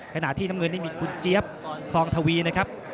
ขณะที่น้ำเงินนี่มีคุณเจี๊ยบทองทวีนะครับ